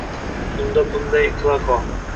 Unda bunday qila qol